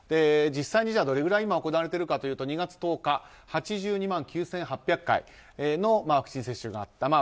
実際にどれぐらい行われているかというと２月１０日、８２万９８００回のワクチン接種があった。